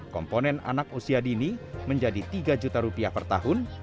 komponen anak usia dini menjadi tiga juta rupiah per tahun